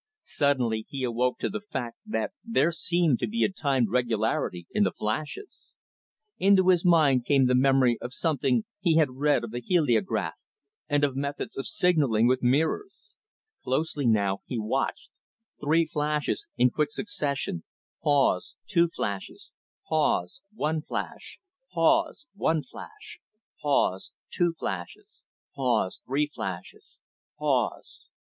Suddenly, he awoke to the fact that there seemed to be a timed regularity in the flashes. Into his mind came the memory of something he had read of the heliograph, and of methods of signalling with mirrors Closely, now, he watched three flashes in quick succession pause two flashes pause one flash pause one flash pause two flashes pause three flashes pause.